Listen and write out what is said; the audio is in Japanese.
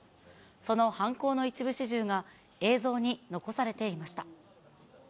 その犯行の一部始終が映像に残されていました。